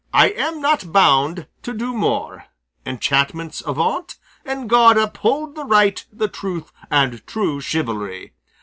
I am not bound to do more; enchantments avaunt, and God uphold the right, the truth, and true chivalry!